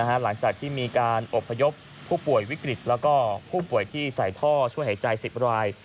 หลังจากที่มีการอบพยพผู้ป่วยวิกฤตแล้วก็ผู้ป่วยที่ใส่ท่อช่วยหายใจ๑๐ราย